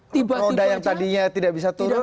roda yang tadinya tidak bisa turun